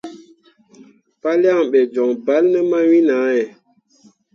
Palyaŋ ɓe joŋ bal ne mawin ahe.